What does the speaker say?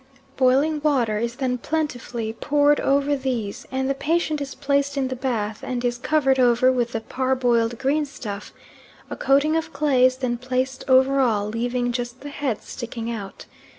Boiling water is then plentifully poured over these and the patient is placed in the bath and is covered over with the parboiled green stuff; a coating of clay is then placed over all, leaving just the head sticking out.